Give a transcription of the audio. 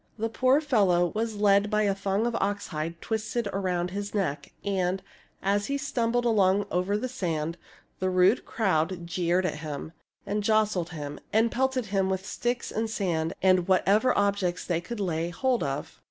The poor fellow was led by a thong of oxhide twisted around his neck; and, as he stumbled along over the sand, the rude crowd jeered at him and jostled him and pelted him with sticks and sand and whatever objects they could lay hold of.